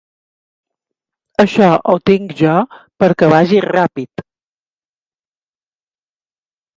Això ho tinc jo perquè vagi ràpid.